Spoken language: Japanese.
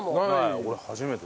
俺初めて。